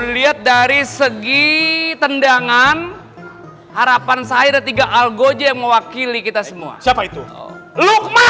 lihat dari segi tendangan harapan saya tiga algo yang mewakili kita semua siapa itu oh luka